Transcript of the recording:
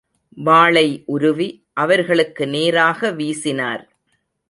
வாளை உருவி, அவர்களுக்கு நேராக வீசினார்.